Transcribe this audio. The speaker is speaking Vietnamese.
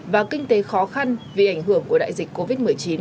và kinh tế khó khăn vì ảnh hưởng của đại dịch covid một mươi chín